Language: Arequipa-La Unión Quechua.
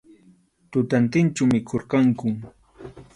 Tutantinchu mikhurqanku.